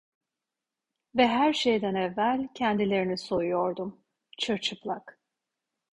Ve her şeyden evvel, kendilerini soyuyordum: Çırçıplak…